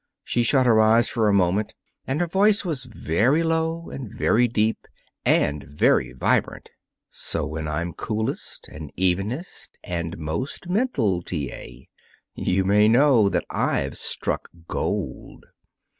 She shut her eyes for a moment, and her voice was very low and very deep and very vibrant. "So, when I'm coolest and evenest and most mental, T. A., you may know that I've struck gold."